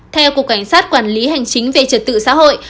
theo cục cảnh sát quản lý hành chính về trật tự xã hội